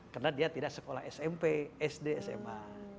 karena dia tidak sekolah smp sd sma